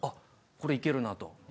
これいけるなと。